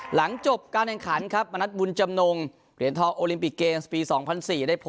หลังจบการแข่งขันครับมณัฐบุญจำนงเหรียญทองโอลิมปิกเกมส์ปี๒๐๐๔ได้พบ